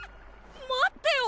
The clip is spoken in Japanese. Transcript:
待ってよ